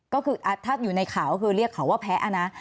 ก็คือถ้าอยู่ในข่าวคือเรียกข่าวว่าแพะอันนั้น